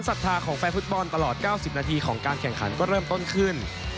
ศรัทธาของแฟนฟุตบอลตลอด๙๐นาทีของการแข่งขันก็เริ่มต้นขึ้น